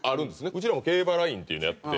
うちらも競馬ＬＩＮＥっていうのやってて。